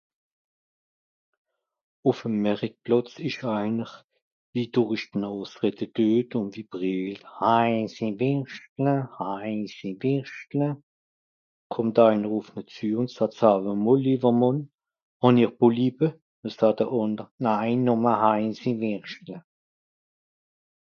"Ùff'm Märickplàtz ìsch einer, wie dùrich d'Nàs redde düet ùn wie brìellt ""heisi Wìrschtle, heisi Wìrschtle"". Kùmmt einer ùf ne zü ùn sààt ""Saawe mol lìewer Mànn, hàn ìhr Bolippe ?"" no saat de ànder ""Nai, nùmme heisi Wìschtle""."